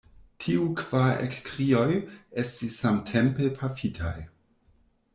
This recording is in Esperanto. Tiuj kvar ekkrioj estis samtempe pafitaj.